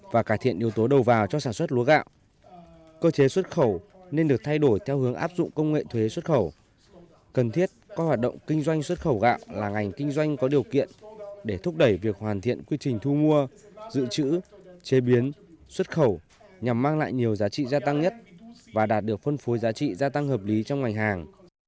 và cải thiện yếu tố đầu vào cho sản xuất lúa gạo cơ chế xuất khẩu nên được thay đổi theo hướng áp dụng công nghệ thuế xuất khẩu cần thiết có hoạt động kinh doanh xuất khẩu gạo là ngành kinh doanh có điều kiện để thúc đẩy việc hoàn thiện quy trình thu mua dự trữ chế biến xuất khẩu nhằm mang lại nhiều giá trị gia tăng nhất và đạt được phân phối giá trị gia tăng hợp lý trong ngành hàng